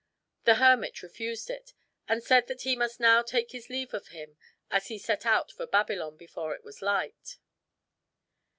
The hermit refused it, and said that he must now take his leave of him, as he set out for Babylon before it was light.